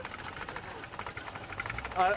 あれ？